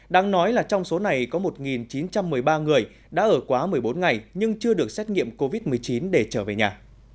đáng nói là trong số này có một chín trăm một mươi ba người đã ở quá một mươi bốn ngày nhưng chưa được xét nghiệm covid một mươi chín để trở về nhà